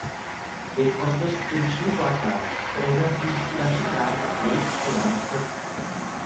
Vytvořte stručný plakát prezentující vaši práci, její cíle a výsledky.